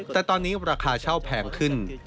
แต่ตอนนี้ราคาเช่าแพงขึ้น